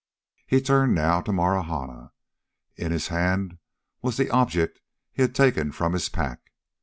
He turned now to Marahna. In his hand was the object he had taken from his pack.